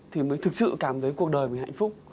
thì mới thực sự cảm thấy cuộc đời mình hạnh phúc